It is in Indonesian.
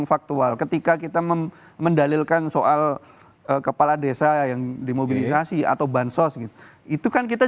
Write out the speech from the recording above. faktual ketika kita mendalilkan soal kepala desa yang dimobilisasi atau bansos gitu itu kan kita